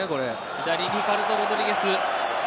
左、リカルド・ロドリゲス。